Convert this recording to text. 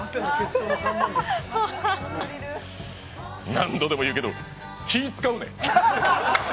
何度でも言うけど、気遣うねん！